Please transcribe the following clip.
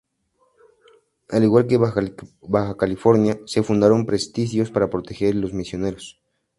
Al igual que en Baja California, se fundaron presidios para proteger a los misioneros.